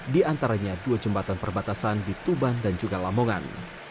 di antaranya dua jembatan perbatasan di tuban dan juga lamongan